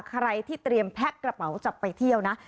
ใครที่เตรียมแพ็คกระเป๋าจะไปเที่ยวนะ